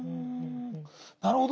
なるほど。